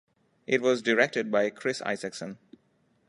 It was directed by Kris Isacsson.